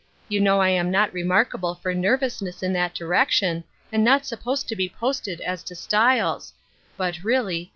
You know I am not remarkable for nervousness in that direction, and not supposed to be posted as to styles ; but reallv.